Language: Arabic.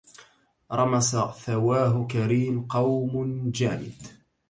رمس ثواه كريم قوم ماجد